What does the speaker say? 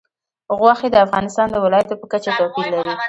غوښې د افغانستان د ولایاتو په کچه توپیر لري.